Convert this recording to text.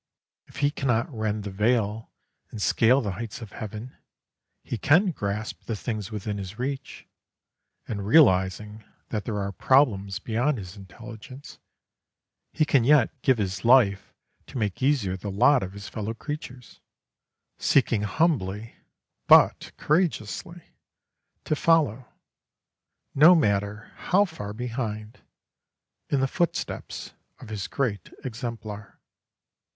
If he cannot rend the veil and scale the heights of heaven, he can grasp the things within his reach; and, realising that there are problems beyond his intelligence, he can yet give his life to make easier the lot of his fellow creatures, seeking humbly, but courageously, to follow, no matter how far behind, in the footsteps of his Great Exemplar.